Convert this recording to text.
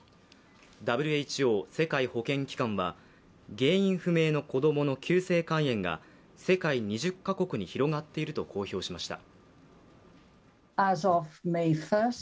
ＷＨＯ＝世界保健機関は、原因不明の子供の急性肝炎が世界２０カ国に広がっていると公表しました。